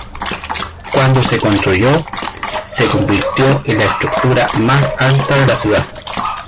Cuando se construyó, se convirtió en la estructura más alta de la ciudad.